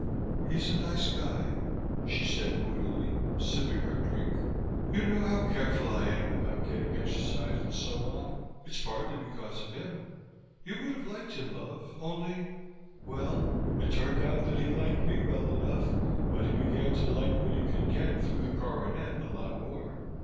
"He's a nice guy," she said moodily, sipping her drink. "You know how careful I am about getting exercise and so on? It's partly because of him. You would have liked him, love, only well, it turned out that he liked me well enough, but he began to like what he could get through the coronet a lot more.